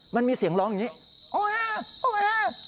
มันมีเสียงร้องอย่างนี้